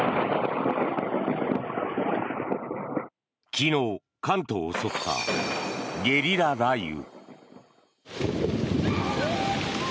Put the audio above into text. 昨日、関東を襲ったゲリラ雷雨。